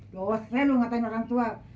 dosre lu ngatain orang tua